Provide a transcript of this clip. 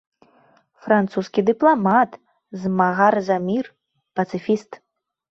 Французскі дыпламат, змагар за мір, пацыфіст.